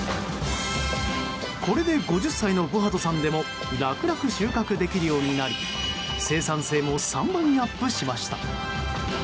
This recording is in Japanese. これで５０歳のブハトさんでも楽々収穫できるようになり生産性も３倍にアップしました。